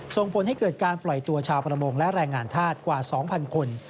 ส่งผลให้เกิดการปล่อยตัวชาวประมงและแรงงานธาตุกว่า๒๐๐คน